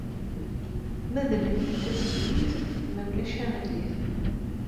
Medlemt tazewwut, ma ulac aɣilif.